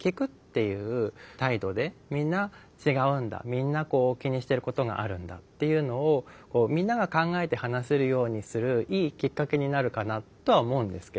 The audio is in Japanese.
みんな気にしてることがあるんだっていうのをみんなが考えて話せるようにするいいきっかけになるかなとは思うんですけど。